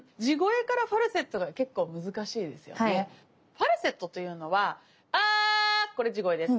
ファルセットというのはアこれ地声です。